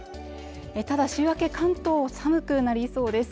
ただ週明け関東寒くなりそうです